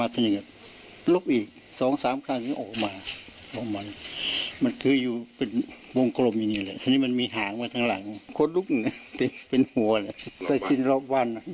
ทางเจ้าของบ้านเขาเชื่อว่าแสงประหลาดที่เจอเป็นดวงไฟผีปอบแน่นอน